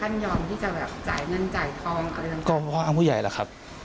งอนอะไรนะครับ